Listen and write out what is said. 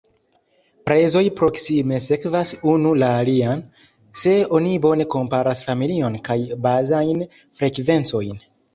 Prezoj proksime sekvas unu la alian, se oni bone komparas familion kaj bazajn frekvencojn.